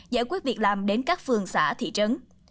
giải quyết việc làm đến các phường xã thị trấn